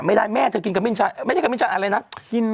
ไม่ได้แม่เธอกินคำมิ้นชันไม่ใช่คำมิ้นชันอะไรนะ